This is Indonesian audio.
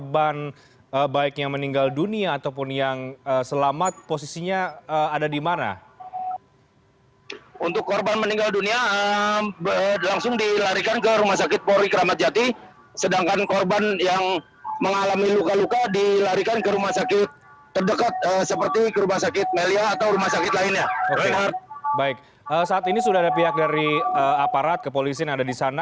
baik saat ini sudah ada pihak dari aparat kepolisin ada di sana